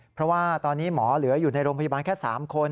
เพราะว่าตอนนี้หมอเหลืออยู่ในโรงพยาบาลแค่๓คน